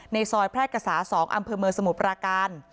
ซอยแพร่กษา๒อำเภอเมืองสมุทรปราการ